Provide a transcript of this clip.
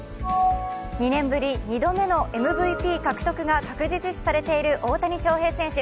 ２年ぶり２度目のＭＶＰ獲得が確実視されている大谷翔平選手。